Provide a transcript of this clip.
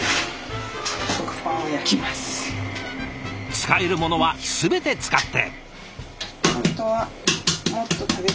使えるものは全て使って！